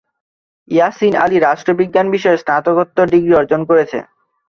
ইয়াসিন আলী রাষ্ট্রবিজ্ঞান বিষয়ে স্নাতকোত্তর ডিগ্রী অর্জন করেছেন।